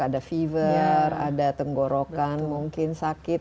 ada fever ada tenggorokan mungkin sakit